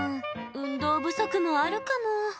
運動不足もあるかも。